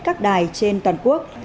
các đài trên toàn quốc